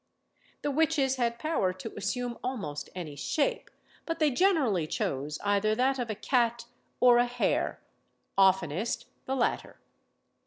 The witches had power to assume almost any shape; but they generally chose either that of a cat or a hare, oftenest the latter.